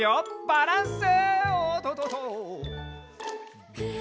バランス。